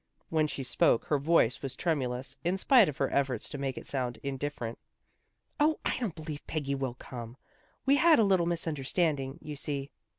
When she spoke, her voice was tremulous, in spite of her efforts to make it sound indifferent. " O, I don't believe Peggy will come. We had a little misunderstanding, you see."